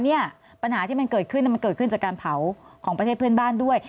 เนี่ยปัญหาที่มันเกิดขึ้นมันเกิดขึ้นจากการเผาของประเทศเพื่อนบ้านด้วย